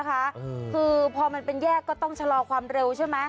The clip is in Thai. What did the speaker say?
คือพอมันเป็นแยกก็ต้องชะลอความเร็วใช่ไหม